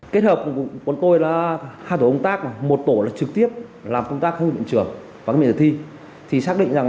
kết hợp của tôi là hai tổ công tác một tổ là trực tiếp làm công tác kháng nghiệm trưởng